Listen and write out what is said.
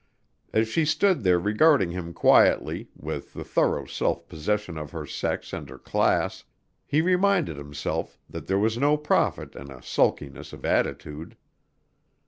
As she stood there regarding him quietly, with the thorough self possession of her sex and her class, he reminded himself that there was no profit in a sulkiness of attitude.